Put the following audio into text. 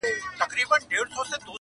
له اورنګه یې عبرت نه وو اخیستی-